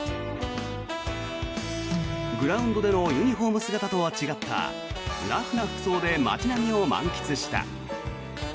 グラウンドでのユニホーム姿とは違ったラフな服装で街並みを満喫した。